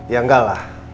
ya enggak lah